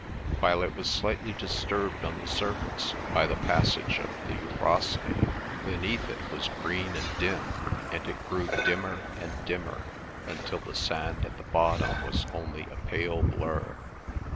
While it was slightly disturbed on the surface by the passage of the Euphrosyne, beneath it was green and dim, and it grew dimmer and dimmer until the sand at the bottom was only a pale blur.